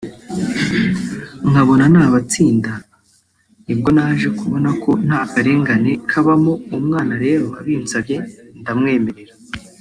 nkabona n’abatsinda nibwo naje kubona ko nta karengane kabamo umwana rero abinsabye ndamwemerera